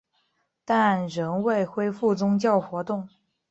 但仍未恢复宗教活动。